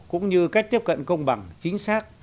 cũng như cách tiếp cận công bằng chính xác